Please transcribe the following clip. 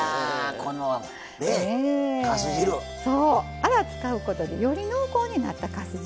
アラ使うことでより濃厚になったかす汁。